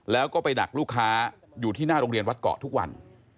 แล้วก็ไปดักลูกค้าอยู่ที่หน้าโรงเรียนวัดเกาะทุกวัน